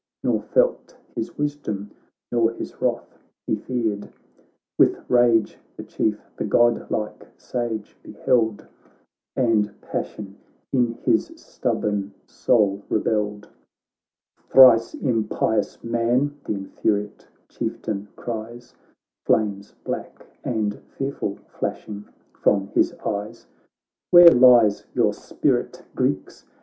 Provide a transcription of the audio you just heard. Nor felt his wisdom, nor his wrath he feared. With rage the Chief, the godlike Sage, beheld. And passion in his stubborn soul re belled. ' Thrice impious man,' th' infuriate Chieftain cries (Flames black and fearful flashing from his eyes),' ' Where lies your spirit, Greeks ?